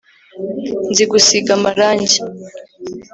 nzi gusiga amarangi